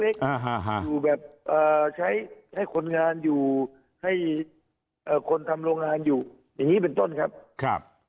อยู่แบบใช้ให้คนงานอยู่ให้คนทำโรงงานอยู่อย่างนี้เป็นต้นครับ